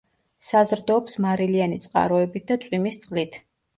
საზრდოობს მარილიანი წყაროებით და წვიმის წყლით.